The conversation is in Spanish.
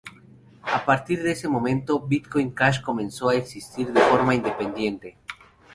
A partir de este momento, Bitcoin Cash comenzó a existir de forma independiente.